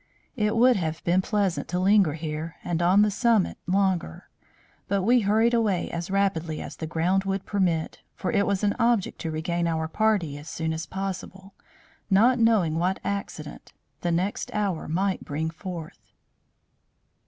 It would have been pleasant to linger here and on the summit longer; but we hurried away as rapidly as the ground would permit, for it was an object to regain our party as soon as possible, not knowing what accident the next hour might bring forth."